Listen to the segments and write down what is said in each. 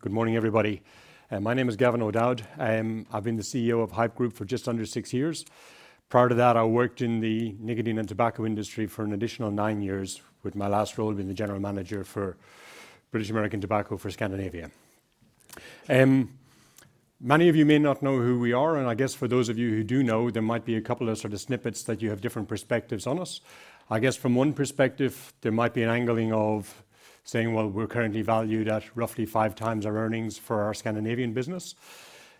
Good morning, everybody. My name is Gavin O'Dowd. I've been the CEO of Haypp Group for just under six years. Prior to that, I worked in the nicotine and tobacco industry for an additional nine years, with my last role being the General Manager for British American Tobacco for Scandinavia. Many of you may not know who we are, and I guess for those of you who do know, there might be a couple of sort of snippets that you have different perspectives on us. I guess from one perspective, there might be an angling of saying, well, we're currently valued at roughly 5x our earnings for our Scandinavian business.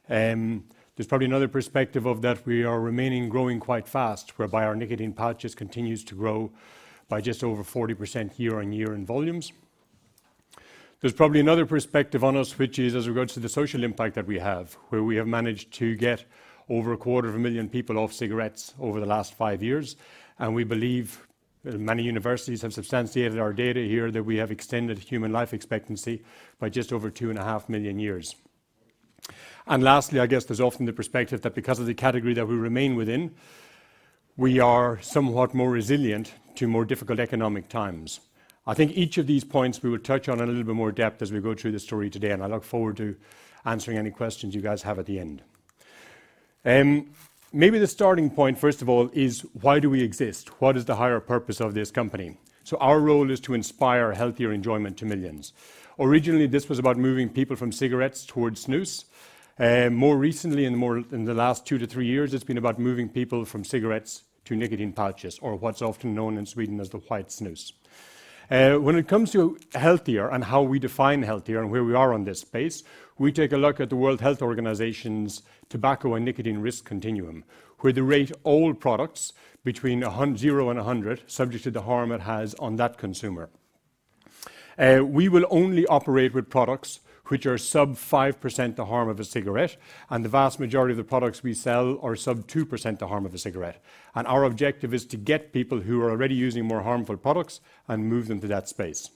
There's probably another perspective of that we are remaining growing quite fast, whereby our nicotine pouches continues to grow by just over 40% year-on-year in volumes. There's probably another perspective on us, which is as regards to the social impact that we have, where we have managed to get over a quarter of a million people off cigarettes over the last five years. We believe, many universities have substantiated our data here, that we have extended human life expectancy by just over two and a half million years. Lastly, I guess there's often the perspective that because of the category that we remain within, we are somewhat more resilient to more difficult economic times. I think each of these points we will touch on in a little bit more depth as we go through the story today, I look forward to answering any questions you guys have at the end. Maybe the starting point, first of all, is why do we exist? What is the higher purpose of this company? Our role is to inspire healthier enjoyment to millions. Originally, this was about moving people from cigarettes towards snus. More recently, in the last two to three years, it's been about moving people from cigarettes to nicotine pouches, or what's often known in Sweden as the quiet snus. When it comes to healthier and how we define healthier and where we are on this space, we take a look at the World Health Organization's tobacco and nicotine risk continuum, where they rate all products between zero and 100, subject to the harm it has on that consumer. We will only operate with products which are sub 5% the harm of a cigarette, and the vast majority of the products we sell are sub 2% the harm of a cigarette. Our objective is to get people who are already using more harmful products and move them to that space.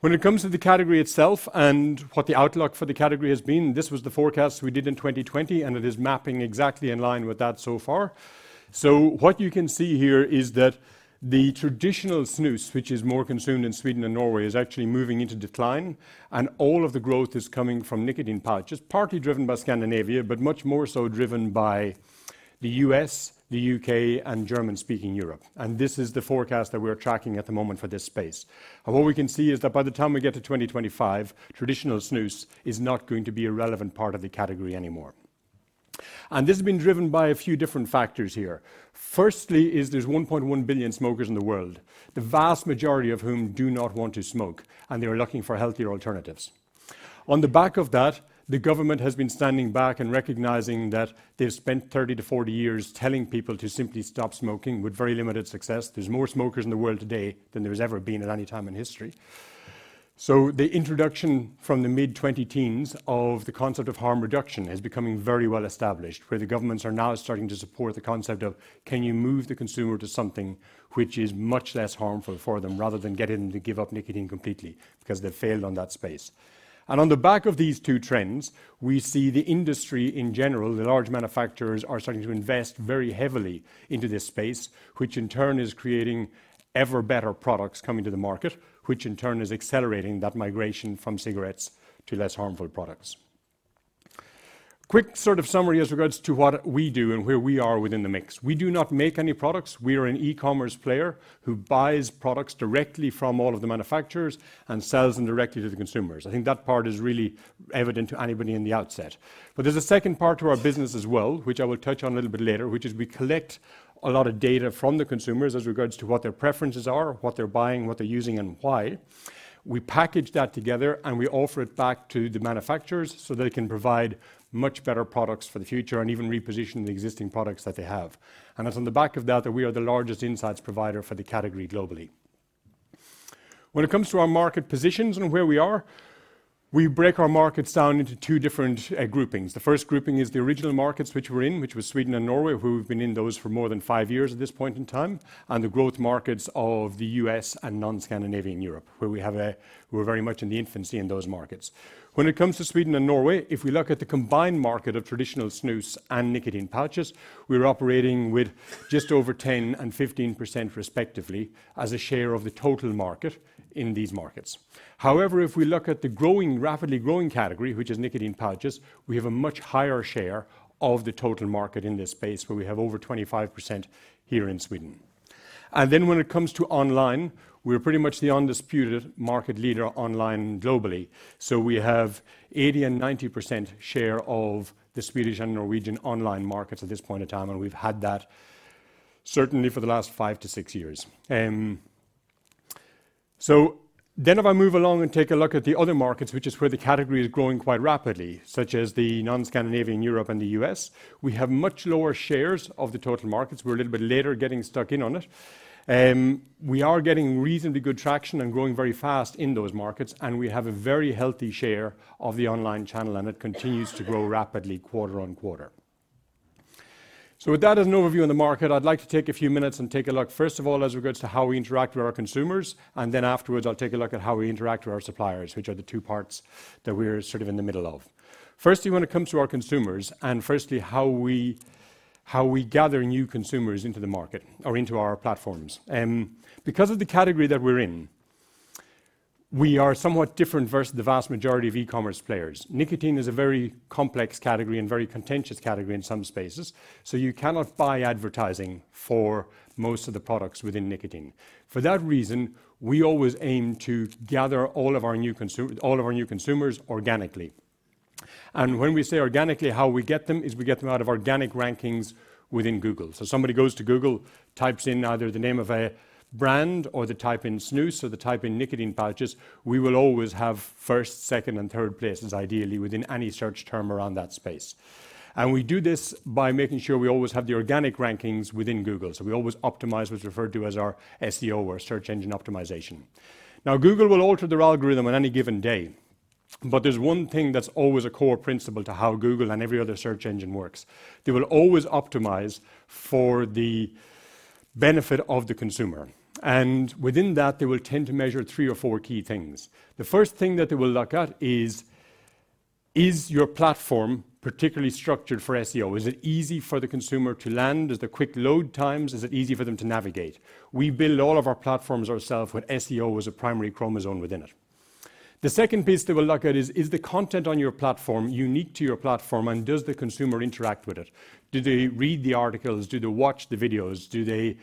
When it comes to the category itself and what the outlook for the category has been, this was the forecast we did in 2020, and it is mapping exactly in line with that so far. What you can see here is that the traditional snus, which is more consumed in Sweden and Norway, is actually moving into decline, and all of the growth is coming from nicotine pouches, partly driven by Scandinavia, but much more so driven by the U.S., the U.K., and German-speaking Europe. This is the forecast that we're tracking at the moment for this space. What we can see is that by the time we get to 2025, traditional snus is not going to be a relevant part of the category anymore. This has been driven by a few different factors. Firstly is there's 1.1 billion smokers in the world, the vast majority of whom do not want to smoke, and they are looking for healthier alternatives. On the back of that, the government has been standing back and recognizing that they've spent 30-40 years telling people to simply stop smoking with very limited success. There's more smokers in the world today than there's ever been at any time in history. The introduction from the mid-2010s of the concept of harm reduction is becoming very well established, where the governments are now starting to support the concept of can you move the consumer to something which is much less harmful for them rather than getting them to give up nicotine completely, because they've failed on that space. On the back of these two trends, we see the industry in general, the large manufacturers are starting to invest very heavily into this space, which in turn is creating ever better products coming to the market, which in turn is accelerating that migration from cigarettes to less harmful products. Quick sort of summary as regards to what we do and where we are within the mix. We do not make any products. We are an e-commerce player who buys products directly from all of the manufacturers and sells them directly to the consumers. I think that part is really evident to anybody in the outset. There's a second part to our business as well, which I will touch on a little bit later, which is we collect a lot of data from the consumers as regards to what their preferences are, what they're buying, what they're using, and why. We package that together, and we offer it back to the manufacturers, so they can provide much better products for the future and even reposition the existing products that they have. It's on the back of that we are the largest insights provider for the category globally. When it comes to our market positions and where we are, we break our markets down into two different groupings. The first grouping is the original markets which we're in, which was Sweden and Norway, who we've been in those for more than five years at this point in time, and the growth markets of the U.S. and non-Scandinavian Europe, where we're very much in the infancy in those markets. When it comes to Sweden and Norway, if we look at the combined market of traditional snus and nicotine pouches, we're operating with just over 10% and 15% respectively as a share of the total market in these markets. However, if we look at the growing, rapidly growing category, which is nicotine pouches, we have a much higher share of the total market in this space, where we have over 25% here in Sweden. When it comes to online, we're pretty much the undisputed market leader online globally. We have 80% and 90% share of the Swedish and Norwegian online markets at this point in time, and we've had that certainly for the last five-six years. If I move along and take a look at the other markets, which is where the category is growing quite rapidly, such as the non-Scandinavian Europe and the U.S., we have much lower shares of the total markets. We're a little bit later getting stuck in on it. We are getting reasonably good traction and growing very fast in those markets, and we have a very healthy share of the online channel, and it continues to grow rapidly quarter-on-quarter. With that as an overview on the market, I'd like to take a few minutes and take a look, first of all, as regards to how we interact with our consumers, and then afterwards I'll take a look at how we interact with our suppliers, which are the two parts that we're sort of in the middle of. Firstly, when it comes to our consumers, and firstly How we gather new consumers into the market or into our platforms. Because of the category that we're in, we are somewhat different versus the vast majority of e-commerce players. Nicotine is a very complex category and very contentious category in some spaces, so you cannot buy advertising for most of the products within nicotine. For that reason, we always aim to gather all of our new consumers organically. When we say organically, how we get them is we get them out of organic rankings within Google. Somebody goes to Google, types in either the name of a brand or they type in snus, or they type in nicotine pouches, we will always have first, second and third places, ideally within any search term around that space. We do this by making sure we always have the organic rankings within Google. We always optimize what's referred to as our SEO or search engine optimization. Google will alter their algorithm on any given day, but there's one thing that's always a core principle to how Google and every other search engine works. They will always optimize for the benefit of the consumer, and within that, they will tend to measure three or four key things. The first thing that they will look at is your platform particularly structured for SEO? Is it easy for the consumer to land? Is there quick load times? Is it easy for them to navigate? We build all of our platforms ourselves when SEO was a primary chromosome within it. The second piece they will look at is the content on your platform unique to your platform, and does the consumer interact with it? Do they read the articles? Do they watch the videos? Do they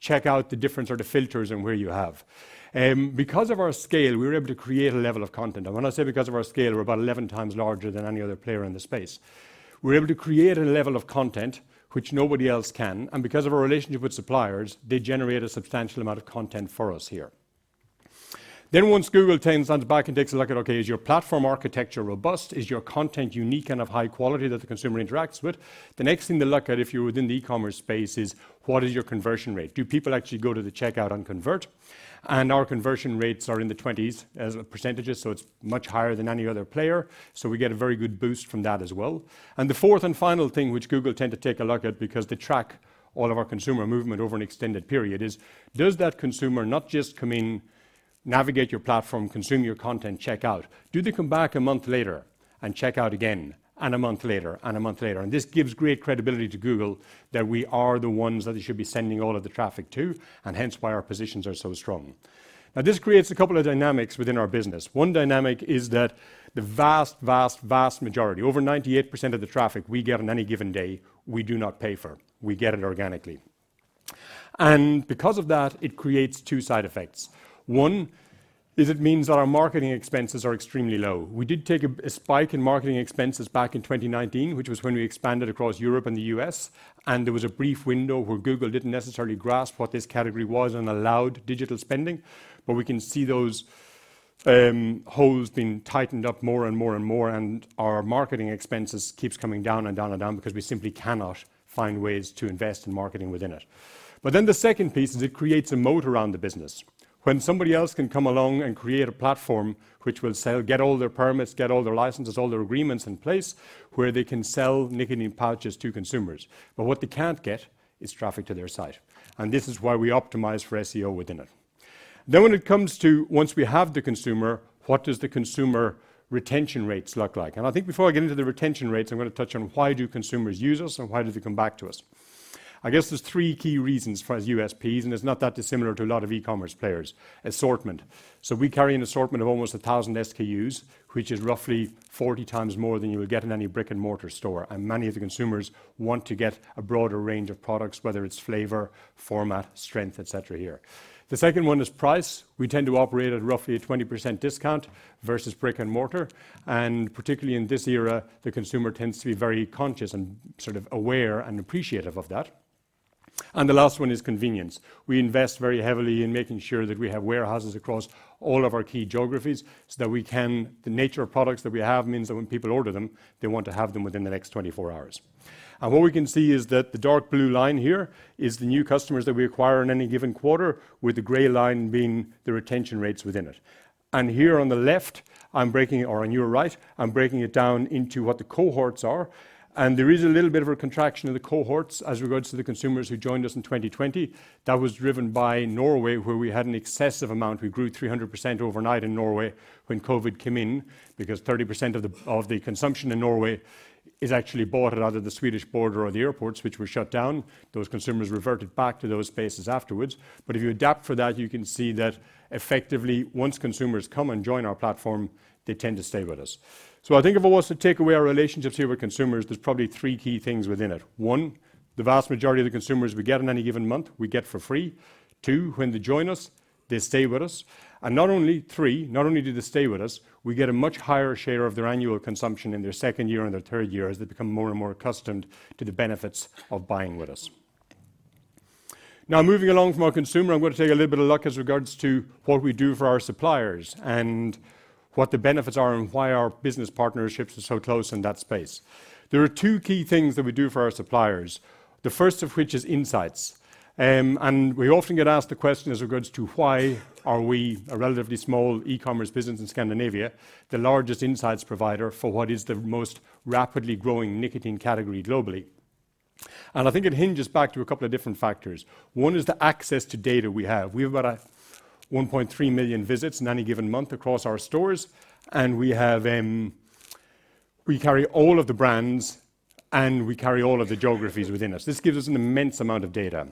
check out the different sort of filters and where you have? Because of our scale, we were able to create a level of content. When I say because of our scale, we're about 11 times larger than any other player in the space. We're able to create a level of content which nobody else can, because of our relationship with suppliers, they generate a substantial amount of content for us here. Once Google turns onto back and takes a look at, "Okay, is your platform architecture robust? Is your content unique and of high quality that the consumer interacts with?" The next thing they look at if you're within the e-commerce space is what is your conversion rate? Do people actually go to the checkout and convert? Our conversion rates are in the 20s as %, so it's much higher than any other player, so we get a very good boost from that as well. The fourth and final thing which Google tend to take a look at, because they track all of our consumer movement over an extended period is, does that consumer not just come in, navigate your platform, consume your content, check out? Do they come back a month later and check out again and a month later, and a month later? This gives great credibility to Google that we are the ones that they should be sending all of the traffic to, and hence why our positions are so strong. This creates a couple of dynamics within our business. One dynamic is that the vast, vast majority, over 98% of the traffic we get on any given day, we do not pay for. We get it organically. Because of that, it creates two side effects. One is it means that our marketing expenses are extremely low. We did take a spike in marketing expenses back in 2019, which was when we expanded across Europe and the U.S., and there was a brief window where Google didn't necessarily grasp what this category was and allowed digital spending. We can see those holes being tightened up more and more and more, and our marketing expenses keeps coming down and down and down because we simply cannot find ways to invest in marketing within it. The second piece is it creates a moat around the business. When somebody else can come along and create a platform which will sell, get all their permits, get all their licenses, all their agreements in place where they can sell nicotine pouches to consumers. What they can't get is traffic to their site, and this is why we optimize for SEO within it. When it comes to, once we have the consumer, what does the consumer retention rates look like? I think before I get into the retention rates, I'm gonna touch on why do consumers use us and why do they come back to us. I guess there's three key reasons for its USPs, and it's not that dissimilar to a lot of e-commerce players. Assortment. We carry an assortment of almost 1,000 SKUs, which is roughly 40 times more than you would get in any brick-and-mortar store. Many of the consumers want to get a broader range of products, whether it's flavor, format, strength, et cetera here. The second one is price. We tend to operate at roughly a 20% discount versus brick-and-mortar. Particularly in this era, the consumer tends to be very conscious and sort of aware and appreciative of that. The last one is convenience. We invest very heavily in making sure that we have warehouses across all of our key geographies. The nature of products that we have means that when people order them, they want to have them within the next 24 hours. What we can see is that the dark blue line here is the new customers that we acquire in any given quarter, with the gray line being the retention rates within it. Here on the left, or on your right, I'm breaking it down into what the cohorts are, and there is a little bit of a contraction in the cohorts as regards to the consumers who joined us in 2020. That was driven by Norway, where we had an excessive amount. We grew 300% overnight in Norway when COVID came in because 30% of the consumption in Norway is actually bought either at the Swedish border or the airports, which were shut down. Those consumers reverted back to those spaces afterwards. If you adapt for that, you can see that effectively, once consumers come and join our platform, they tend to stay with us. I think if I was to take away our relationships here with consumers, there's probably three key things within it. One, the vast majority of the consumers we get in any given month, we get for free. two, when they join us, they stay with us. Not only, three, not only do they stay with us, we get a much higher share of their annual consumption in their second year and their third year as they become more and more accustomed to the benefits of buying with us. Now, moving along from our consumer, I'm gonna take a little bit of look as regards to what we do for our suppliers and what the benefits are and why our business partnerships are so close in that space. There are two key things that we do for our suppliers. The first of which is insights. We often get asked the question as regards to why are we a relatively small e-commerce business in Scandinavia, the largest insights provider for what is the most rapidly growing nicotine category globally? I think it hinges back to a couple of different factors. One is the access to data we have. We have about 1.3 million visits in any given month across our stores. We have, we carry all of the brands, and we carry all of the geographies within us. This gives us an immense amount of data.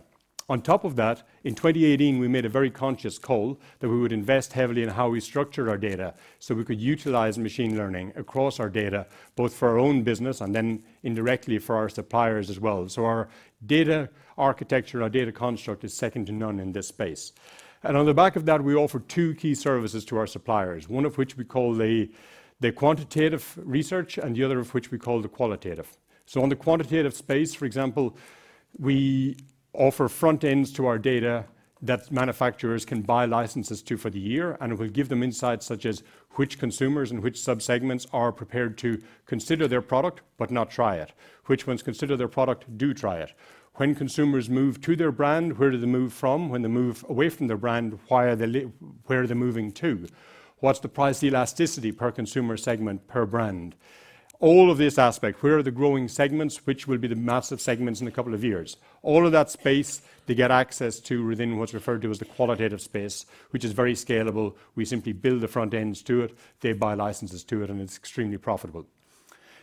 On top of that, in 2018, we made a very conscious call that we would invest heavily in how we structure our data, so we could utilize machine learning across our data, both for our own business and then indirectly for our suppliers as well. Our data architecture, our data construct is second to none in this space. On the back of that, we offer two key services to our suppliers, one of which we call the quantitative research, and the other of which we call the qualitative. On the quantitative space, for example, we offer front ends to our data that manufacturers can buy licenses to for the year, and it will give them insights such as which consumers and which subsegments are prepared to consider their product but not try it, which ones consider their product, do try it. When consumers move to their brand, where do they move from? When they move away from their brand, why are they moving to? What's the price elasticity per consumer segment, per brand? All of this aspect, where are the growing segments? Which will be the massive segments in a couple of years? All of that space they get access to within what's referred to as the qualitative space, which is very scalable. We simply build the front ends to it, they buy licenses to it, and it's extremely profitable.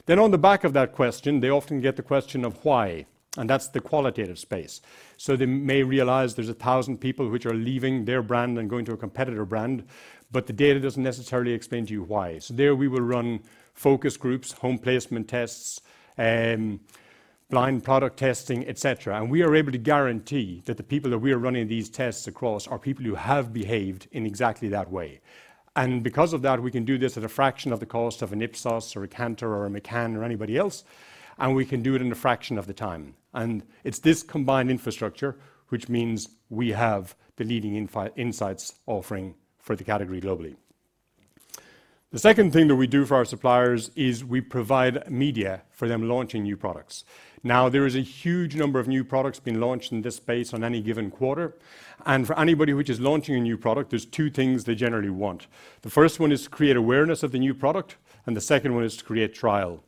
On the back of that question, they often get the question of, why? That's the qualitative space. They may realize there's 1,000 people which are leaving their brand and going to a competitor brand, but the data doesn't necessarily explain to you why. There we will run focus groups, home placement tests, blind product testing, et cetera. We are able to guarantee that the people that we are running these tests across are people who have behaved in exactly that way. Because of that, we can do this at a fraction of the cost of an Ipsos or a Kantar or a McCann or anybody else, and we can do it in a fraction of the time. It's this combined infrastructure which means we have the leading insights offering for the category globally. The second thing that we do for our suppliers is we provide media for them launching new products. Now, there is a huge number of new products being launched in this space on any given quarter. For anybody which is launching a new product, there's two things they generally want. The first one is to create awareness of the new product, and the second one is to create trial.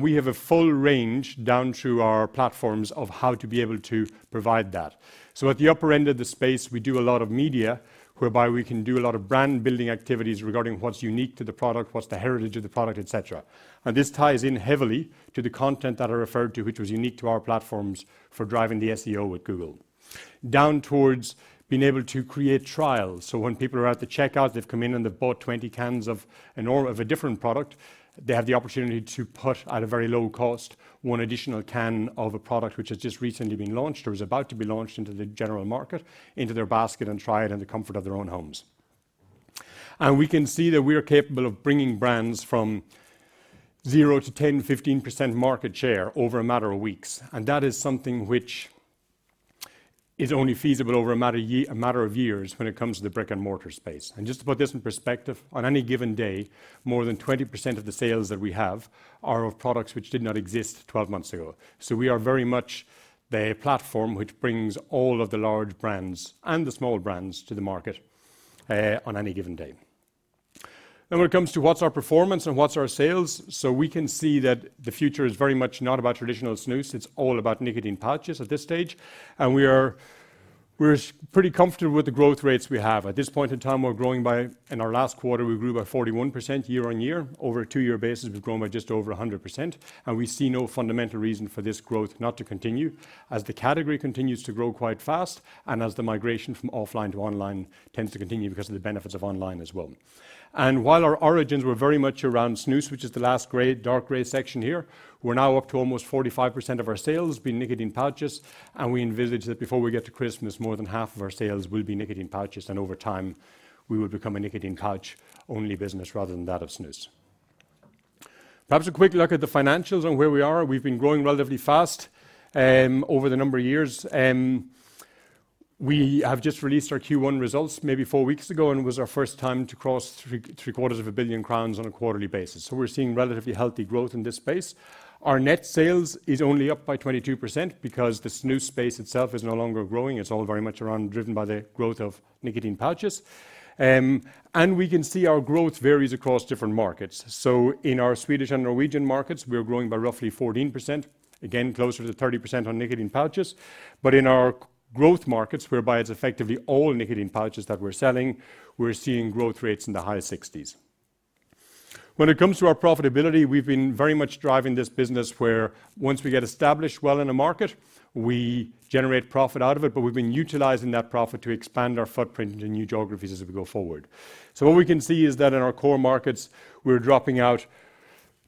We have a full range down through our platforms of how to be able to provide that. At the upper end of the space, we do a lot of media whereby we can do a lot of brand-building activities regarding what's unique to the product, what's the heritage of the product, et cetera. This ties in heavily to the content that I referred to, which was unique to our platforms for driving the SEO with Google. Down towards being able to create trials. When people are at the checkout, they've come in and they've bought 20 cans of a different product, they have the opportunity to put at a very low cost one additional can of a product which has just recently been launched or is about to be launched into the general market into their basket and try it in the comfort of their own homes. We can see that we are capable of bringing brands from 0% to 10%-15% market share over a matter of weeks. That is something which is only feasible over a matter of years when it comes to the brick-and-mortar space. Just to put this in perspective, on any given day, more than 20% of the sales that we have are of products which did not exist 12 months ago. We are very much the platform which brings all of the large brands and the small brands to the market on any given day. When it comes to what's our performance and what's our sales, we can see that the future is very much not about traditional snus. It's all about nicotine pouches at this stage. We are pretty comfortable with the growth rates we have. At this point in time, we're growing by, in our last quarter, we grew by 41% year-on-year. Over a two-year basis, we've grown by just over 100%, and we see no fundamental reason for this growth not to continue as the category continues to grow quite fast and as the migration from offline to online tends to continue because of the benefits of online as well. While our origins were very much around snus, which is the last gray, dark gray section here, we're now up to almost 45% of our sales being nicotine pouches, and we envisage that before we get to Christmas, more than 1/2 of our sales will be nicotine pouches, and over time, we will become a nicotine pouch only business rather than that of snus. Perhaps a quick look at the financials on where we are. We've been growing relatively fast over the number of years. We have just released our Q1 results maybe four weeks ago. It was our first time to cross three quarters of a billion SEK on a quarterly basis. We're seeing relatively healthy growth in this space. Our net sales is only up by 22% because the snus space itself is no longer growing. It's all very much around driven by the growth of nicotine pouches. We can see our growth varies across different markets. In our Swedish and Norwegian markets, we are growing by roughly 14%, again, closer to 30% on nicotine pouches. In our growth markets, whereby it's effectively all nicotine pouches that we're selling, we're seeing growth rates in the high 60s. When it comes to our profitability, we've been very much driving this business where once we get established well in a market, we generate profit out of it. We've been utilizing that profit to expand our footprint into new geographies as we go forward. What we can see is that in our core markets, we're dropping out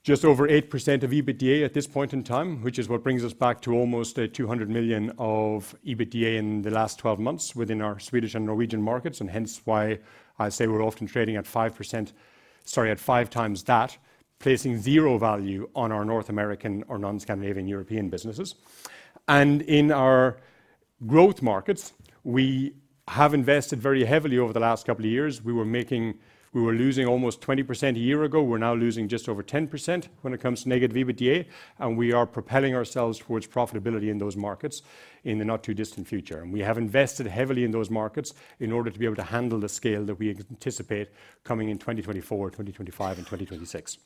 just over 8% of EBITDA at this point in time, which is what brings us back to almost 200 million of EBITDA in the last 12 months within our Swedish and Norwegian markets, and hence why I say we're often trading at 5%, sorry, at five times that, placing zero value on our North American or non-Scandinavian European businesses. In our growth markets, we have invested very heavily over the last couple of years. We were losing almost 20% a year ago. We're now losing just over 10% when it comes to negative EBITDA. We are propelling ourselves towards profitability in those markets in the not too distant future. We have invested heavily in those markets in order to be able to handle the scale that we anticipate coming in 2024, 2025 and 2026.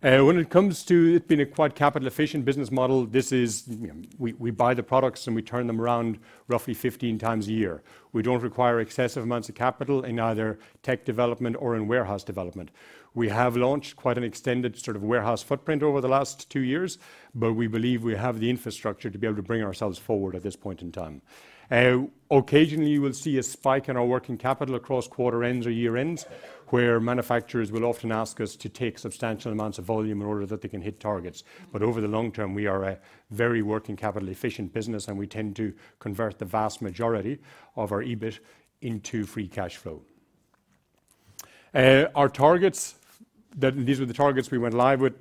When it comes to it being a quite capital efficient business model, this is, you know, we buy the products and we turn them around roughly 15 times a year. We don't require excessive amounts of capital in either tech development or in warehouse development. We have launched quite an extended sort of warehouse footprint over the last two years, but we believe we have the infrastructure to be able to bring ourselves forward at this point in time. Occasionally, you will see a spike in our working capital across quarter ends or year ends, where manufacturers will often ask us to take substantial amounts of volume in order that they can hit targets. Over the long term, we are a very working capital efficient business, and we tend to convert the vast majority of our EBIT into free cash flow. Our targets, these were the targets we went live with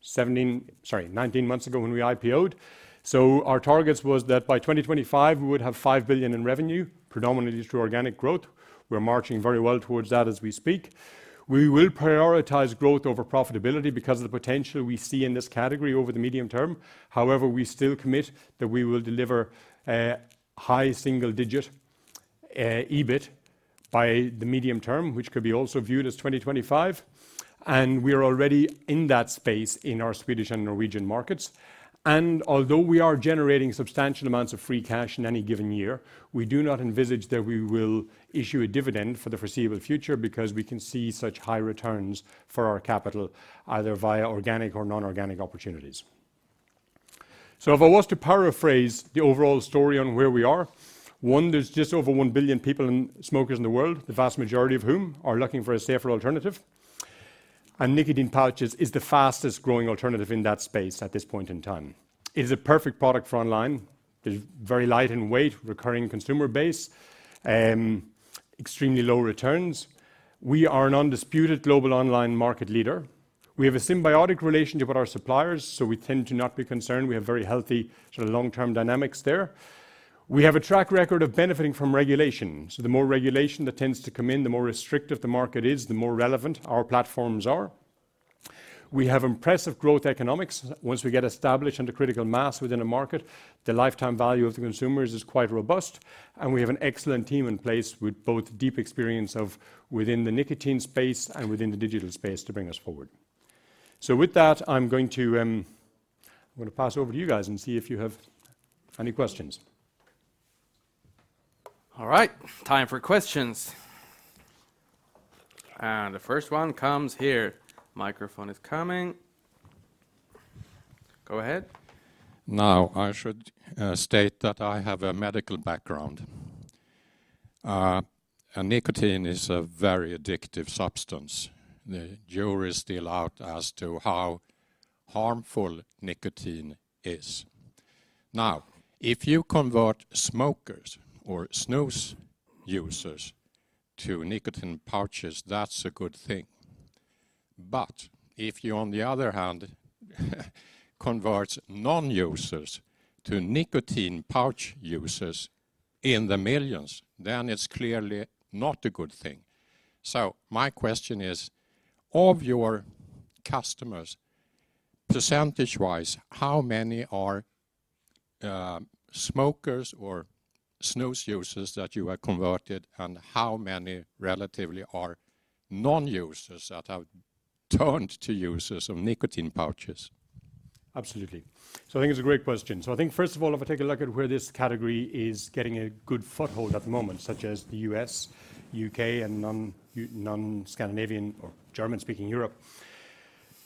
17, sorry, 19 months ago when we IPO'd. Our targets was that by 2025 we would have 5 billion in revenue, predominantly through organic growth. We're marching very well towards that as we speak. We will prioritize growth over profitability because of the potential we see in this category over the medium term. However, we still commit that we will deliver a high single-digit EBIT by the medium term, which could be also viewed as 2025, and we're already in that space in our Swedish and Norwegian markets. Although we are generating substantial amounts of free cash in any given year, we do not envisage that we will issue a dividend for the foreseeable future because we can see such high returns for our capital, either via organic or non-organic opportunities. If I was to paraphrase the overall story on where we are, one, there's just over one billion people and smokers in the world, the vast majority of whom are looking for a safer alternative. Nicotine pouches is the fastest growing alternative in that space at this point in time. It is a perfect product for online. It is very light in weight, recurring consumer base, extremely low returns. We are an undisputed global online market leader. We have a symbiotic relationship with our suppliers, so we tend to not be concerned. We have very healthy sort of long-term dynamics there. We have a track record of benefiting from regulation. The more regulation that tends to come in, the more restrictive the market is, the more relevant our platforms are. We have impressive growth economics. Once we get established under critical mass within a market, the lifetime value of the consumers is quite robust, and we have an excellent team in place with both deep experience of within the nicotine space and within the digital space to bring us forward. With that, I'm going to, I'm gonna pass over to you guys and see if you have any questions. All right. Time for questions. The first one comes here. Microphone is coming. Go ahead. I should state that I have a medical background. Nicotine is a very addictive substance. The jury is still out as to how harmful nicotine is. If you convert smokers or snus users to nicotine pouches, that's a good thing. If you, on the other hand, convert non-users to nicotine pouch users in the millions, then it's clearly not a good thing. My question is, of your customers, percentage-wise, how many are smokers or snus users that you have converted, and how many relatively are non-users that have turned to users of nicotine pouches? Absolutely. I think it's a great question. I think first of all, if I take a look at where this category is getting a good foothold at the moment, such as the U.S., U.K., and non-Scandinavian or German-speaking Europe,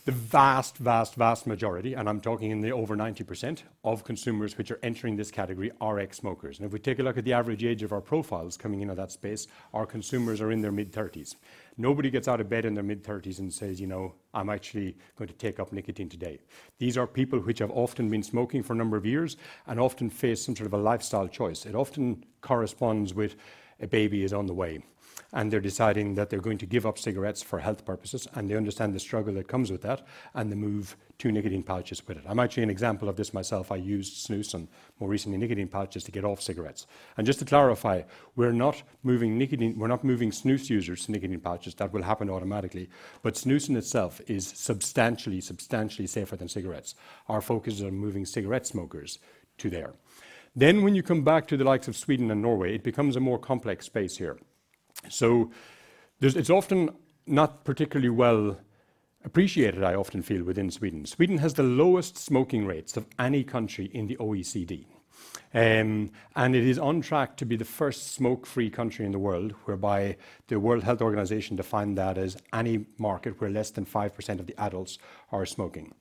the vast, vast majority, and I'm talking in the over 90% of consumers which are entering this category are ex-smokers. If we take a look at the average age of our profiles coming into that space, our consumers are in their mid-30s. Nobody gets out of bed in their mid-30s and says, "You know, I'm actually going to take up nicotine today." These are people which have often been smoking for a number of years and often face some sort of a lifestyle choice. It often corresponds with a baby is on the way, and they're deciding that they're going to give up cigarettes for health purposes, and they understand the struggle that comes with that, and they move to nicotine pouches with it. I'm actually an example of this myself. I used snus and more recently nicotine pouches to get off cigarettes. Just to clarify, we're not moving snus users to nicotine pouches. That will happen automatically. Snus in itself is substantially safer than cigarettes. Our focus is on moving cigarette smokers to there. When you come back to the likes of Sweden and Norway, it becomes a more complex space here. It's often not particularly well appreciated, I often feel, within Sweden. Sweden has the lowest smoking rates of any country in the OECD, and it is on track to be the first smoke-free country in the world, whereby the World Health Organization defined that as any market where less than 5% of the adults are smoking.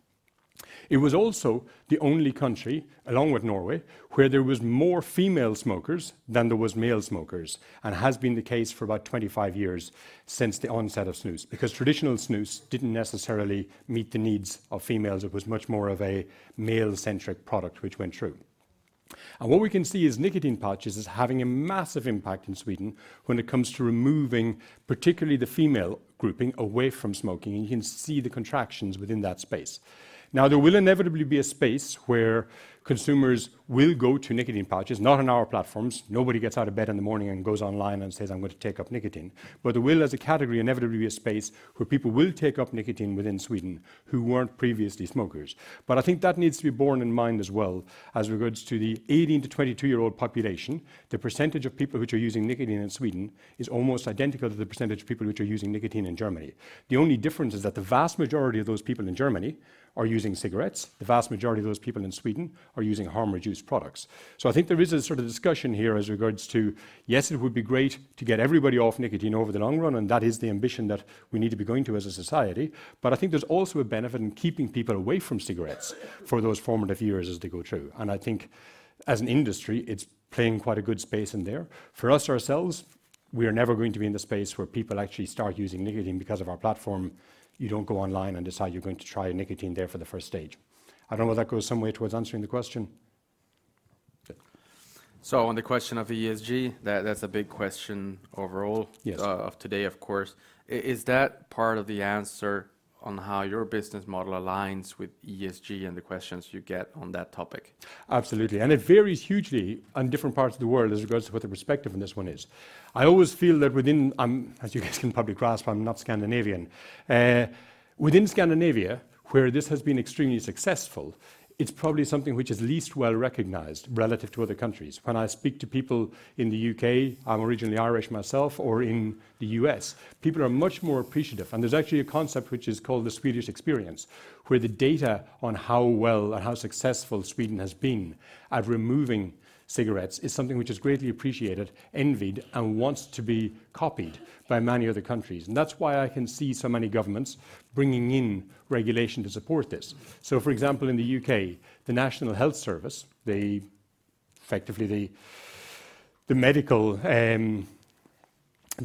It was also the only country, along with Norway, where there was more female smokers than there was male smokers, and has been the case for about 25 years since the onset of snus, because traditional snus didn't necessarily meet the needs of females. It was much more of a male-centric product which went through. What we can see is nicotine pouches is having a massive impact in Sweden when it comes to removing particularly the female grouping away from smoking, and you can see the contractions within that space. There will inevitably be a space where consumers will go to nicotine pouches, not on our platforms. Nobody gets out of bed in the morning and goes online and says, "I'm going to take up nicotine." There will, as a category, inevitably be a space where people will take up nicotine within Sweden who weren't previously smokers. I think that needs to be borne in mind as well as regards to the 18-22-year-old population. The % of people which are using nicotine in Sweden is almost identical to the % of people which are using nicotine in Germany. Only difference is that the vast majority of those people in Germany are using cigarettes. The vast majority of those people in Sweden are using harm reduced products. I think there is a sort of discussion here as regards to, yes, it would be great to get everybody off nicotine over the long run, and that is the ambition that we need to be going to as a society. I think there's also a benefit in keeping people away from cigarettes for those formative years as they go through. I think as an industry, it's playing quite a good space in there. We are never going to be in the space where people actually start using nicotine because of our platform. You don't go online and decide you're going to try nicotine there for the first stage. I don't know if that goes some way towards answering the question. On the question of ESG, that's a big question overall. Yes... of today, of course. Is that part of the answer on how your business model aligns with ESG and the questions you get on that topic? Absolutely. It varies hugely on different parts of the world as it goes to what the perspective on this one is. I always feel that within, as you guys can probably grasp, I'm not Scandinavian. Within Scandinavia, where this has been extremely successful, it's probably something which is least well-recognized relative to other countries. When I speak to people in the U.K., I'm originally Irish myself, or in the U.S., people are much more appreciative. There's actually a concept which is called the Swedish experience, where the data on how well or how successful Sweden has been at removing cigarettes is something which is greatly appreciated, envied, and wants to be copied by many other countries. That's why I can see so many governments bringing in regulation to support this. For example, in the U.K., the National Health Service, they effectively, the medical, the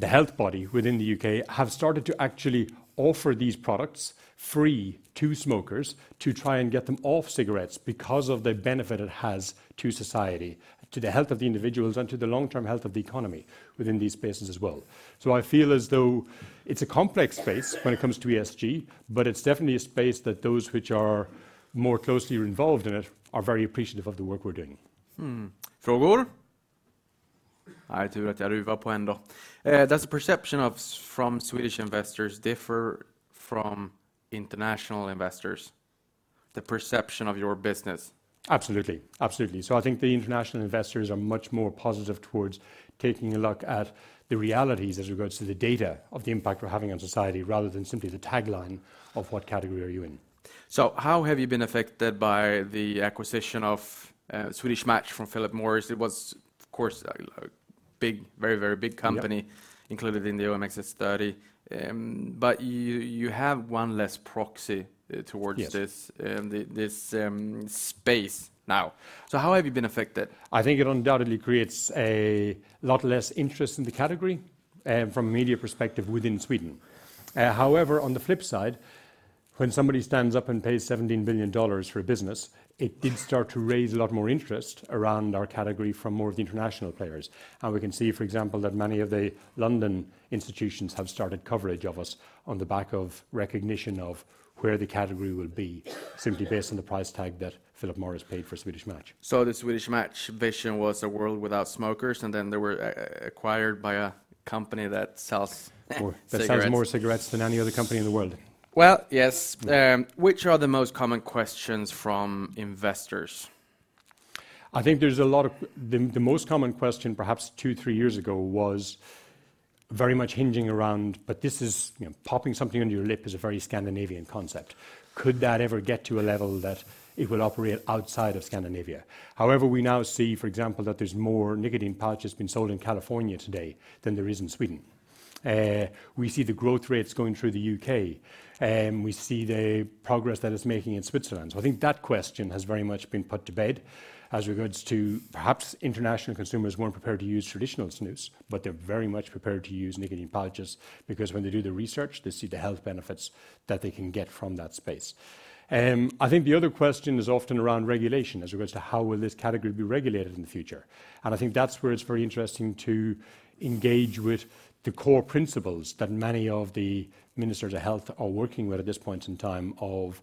health body within the U.K. have started to actually offer these products free to smokers to try and get them off cigarettes because of the benefit it has to society, to the health of the individuals, and to the long-term health of the economy within these spaces as well. I feel as though it's a complex space when it comes to ESG, but it's definitely a space that those which are more closely involved in it are very appreciative of the work we're doing. Hmm. Does the perception from Swedish investors differ from international investors, the perception of your business? Absolutely. I think the international investors are much more positive towards taking a look at the realities as it regards to the data of the impact we're having on society rather than simply the tagline of what category are you in. How have you been affected by the acquisition of Swedish Match from Philip Morris? It was, of course, a big, very big company. Yeah... included in the OMXS30 study. You have one less proxy. Yes this space now. How have you been affected? I think it undoubtedly creates a lot less interest in the category from a media perspective within Sweden. However, on the flip side, when somebody stands up and pays $17 billion for a business, it did start to raise a lot more interest around our category from more of the international players. We can see, for example, that many of the London institutions have started coverage of us on the back of recognition of where the category will be simply based on the price tag that Philip Morris paid for Swedish Match. The Swedish Match vision was a world without smokers, and then they were acquired by a company that sells cigarettes. That sells more cigarettes than any other company in the world. Well, yes. Which are the most common questions from investors? I think the most common question perhaps two, three years ago was very much hinging around, but this is, you know, popping something under your lip is a very Scandinavian concept. Could that ever get to a level that it will operate outside of Scandinavia? We now see, for example, that there's more nicotine pouches being sold in California today than there is in Sweden. We see the growth rates going through the U.K., we see the progress that it's making in Switzerland. I think that question has very much been put to bed as regards to perhaps international consumers weren't prepared to use traditional snus, but they're very much prepared to use nicotine pouches because when they do the research, they see the health benefits that they can get from that space. I think the other question is often around regulation as regards to how will this category be regulated in the future. I think that's where it's very interesting to engage with the core principles that many of the ministers of health are working with at this point in time of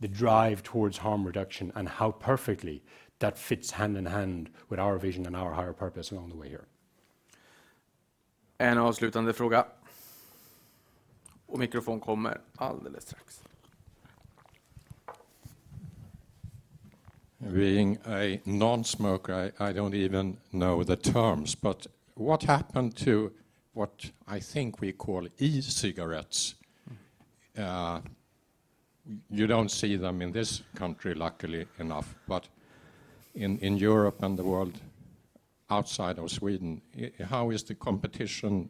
the drive towards harm reduction and how perfectly that fits hand in hand with our vision and our higher purpose along the way here. Also another Being a non-smoker, I don't even know the terms, but what happened to what I think we call e-cigarettes? You don't see them in this country, luckily enough, but in Europe and the world outside of Sweden, how is the competition,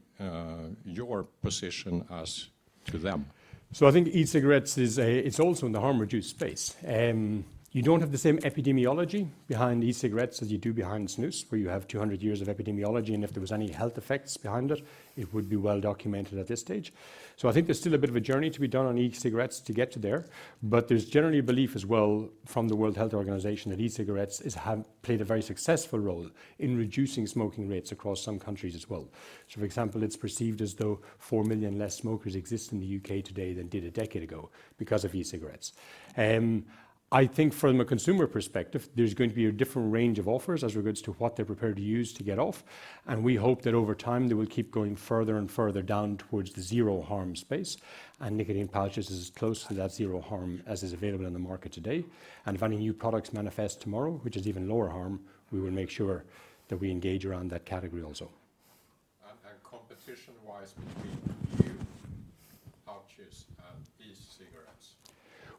your position as to them? I think e-cigarettes is also in the harm reduced space. You don't have the same epidemiology behind e-cigarettes as you do behind snus, where you have 200 years of epidemiology, and if there was any health effects behind it would be well documented at this stage. I think there's still a bit of a journey to be done on e-cigarettes to get to there. There's generally a belief as well from the World Health Organization that e-cigarettes have played a very successful role in reducing smoking rates across some countries as well. For example, it's perceived as though four million less smokers exist in the U.K. today than did a decade ago because of e-cigarettes. I think from a consumer perspective, there's going to be a different range of offers as regards to what they're prepared to use to get off. We hope that over time, they will keep going further and further down towards the zero harm space. Nicotine pouches is as close to that zero harm as is available in the market today. If any new products manifest tomorrow, which is even lower harm, we will make sure that we engage around that category also. Competition-wise between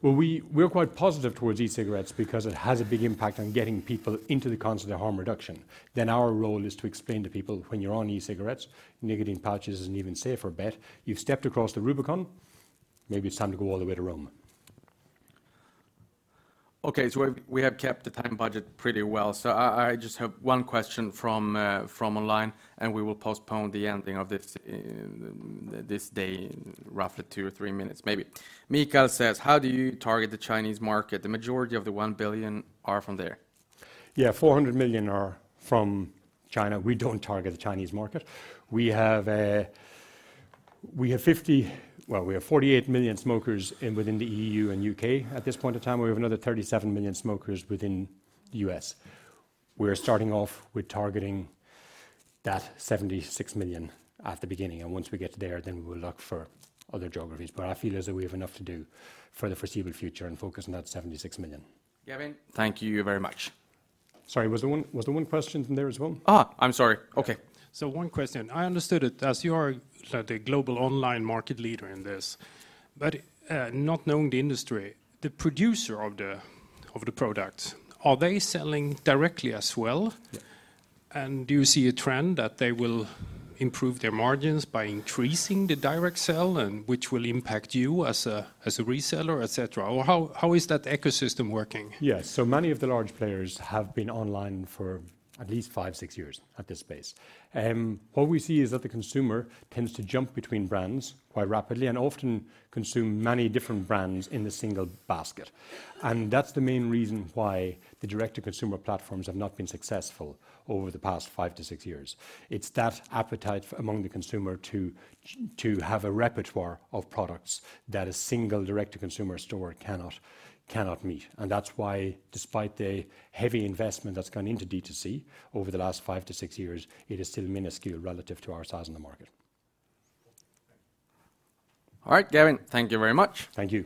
you, pouches, and e-cigarettes? Well, we're quite positive towards e-cigarettes because it has a big impact on getting people into the concept of harm reduction. Our role is to explain to people when you're on e-cigarettes, nicotine pouches is an even safer bet. You've stepped across the Rubicon. Maybe it's time to go all the way to Rome Okay, we have kept the time budget pretty well. I just have one question from online, we will postpone the ending of this day roughly two or three minutes maybe. Michael says, "How do you target the Chinese market? The majority of the one billion are from there. Yeah, 400 million are from China. We don't target the Chinese market. We have, well, we have 48 million smokers within the E.U. and U.K. at this point in time. We have another 37 million smokers within the U.S. We're starting off with targeting that 76 million at the beginning. Once we get to there, then we will look for other geographies. I feel as though we have enough to do for the foreseeable future and focus on that 76 million. Gavin, thank you very much. Sorry, was there one question from there as well? I'm sorry. Okay. One question. I understood it as you are the global online market leader in this, but not knowing the industry, the producer of the product, are they selling directly as well? Yeah. Do you see a trend that they will improve their margins by increasing the direct sell and which will impact you as a, as a reseller, et cetera? Or how is that ecosystem working? Yes. Many of the large players have been online for at least five, six years at this space. What we see is that the consumer tends to jump between brands quite rapidly and often consume many different brands in a single basket. That's the main reason why the direct-to-consumer platforms have not been successful over the past five - six years. It's that appetite among the consumer to have a repertoire of products that a single direct-to-consumer store cannot meet. That's why despite the heavy investment that's gone into D2C over the last five to six years, it is still minuscule relative to our size in the market. All right, Gavin, thank you very much. Thank you.